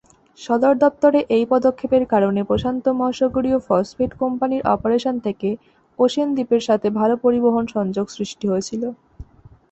সদর দফতরে এই পদক্ষেপ এর কারণে প্রশান্ত মহাসাগরীয় ফসফেট কোম্পানির অপারেশন থেকে ওশেন দ্বীপের সাথে ভাল পরিবহন সংযোগ সৃষ্টি হয়েছিল।